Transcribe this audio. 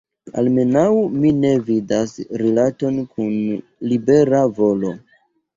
Almenaŭ mi ne vidas rilaton kun libera volo.